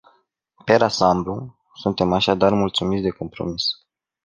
Per ansamblu, suntem așadar mulțumiți de compromis.